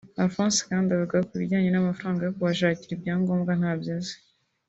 Alphonse kandi avuga ko ibijyanye n’amafaranga yo kubashakira ibyangombwa ntabyo azi